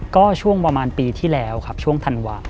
ก็ช่วงประมาณปีที่แล้วครับช่วงธันวา